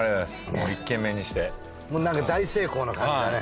もう１軒目にしてもう何か大成功な感じだね